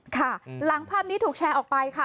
ค่ะหลังภาพนี้ถูกแชร์ออกไปค่ะ